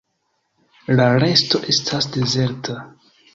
La resto estas dezerta.